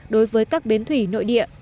đối với các bến thủy nội địa